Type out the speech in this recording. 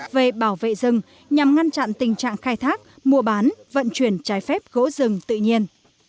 về bảo vệ rừng nhằm ngăn chặn tình trạng khai thác mua bán vận chuyển trái phép gỗ rừng tự nhiên